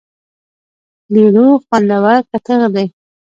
لیړو خوندور کتغ دی.